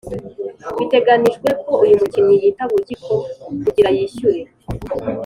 biteganijwe ko uyu mukinnyi yitaba urukiko kugira yishyure